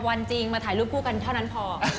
วันจริงมาถ่ายรูปคู่กันเท่านั้นพอ